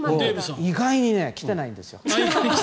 意外に来てないんですよ。